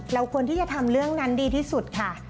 เราควรที่จะทำเรื่องนั้นดีที่สุดค่ะ